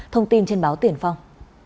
thông tin trên báo tiền phong